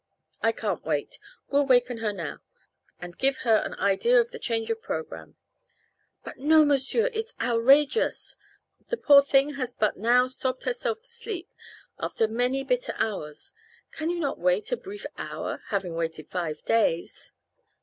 "I can't wait. We'll waken her now, and give her an idea of the change of program." "But no, m'sieur! It is outrageous. The poor thing has but now sobbed herself to sleep, after many bitter hours. Can you not wait a brief hour, having waited five days?"